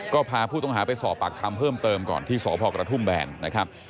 ก็พาผู้ต้องหาไปสอบปากคำเพิ่มเติมก่อนที่สพกระทุ่มแบนนะครับ